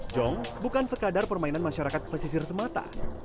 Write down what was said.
jong bukan sekadar permainan masyarakat pesisir semata